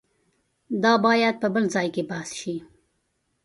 دا باید په بل ځای کې بحث شي.